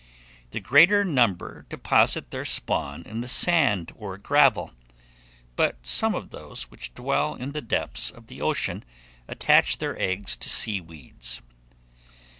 The greater number deposit their spawn in the sand or gravel; but some of those which dwell in the depths of the ocean attach their eggs to sea weeds.